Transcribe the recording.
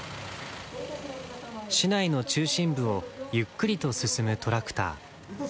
市内の中心部をゆっくりと進むトラクター。